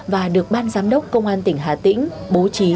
và được ban giám đốc công an tỉnh hà tĩnh bố trí